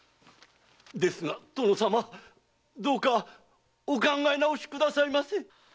ですが殿様どうかお考え直しくださいませ！